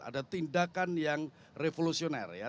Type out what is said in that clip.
ada tindakan yang revolusioner ya